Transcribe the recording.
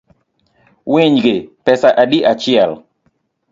Winygi pesa adi achiel?